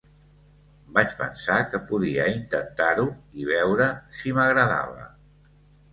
Vaig pensar que podia intentar-ho i veure si m'agradava.